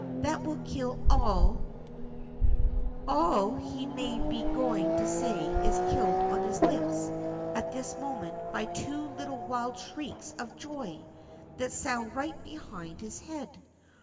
That will kill all " All he may be going to say is killed on his lips at this moment by two little wild shrieks of joy that sound right behind his head.